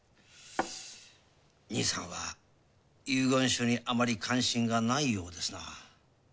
兄さんは遺言書にあまり関心がないようですなぁ。